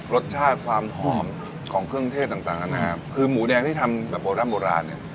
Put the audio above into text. รสชาติความหอมของเครื่องเทศต่างต่างนะครับคือหมูแดงที่ทำแบบโบร่ำโบราณเนี่ย